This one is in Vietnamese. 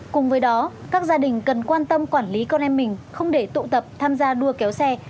cùng với đó các gia đình cần quan tâm quản lý con em mình không để tụ tập tham gia đua kéo xe